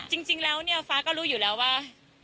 จริงแล้วเนี่ยฟ้าก็รู้อยู่แล้วว่า